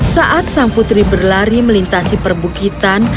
saat sang putri berlari melintasi perbukitan